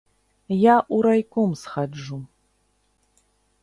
Я ў райком схаджу.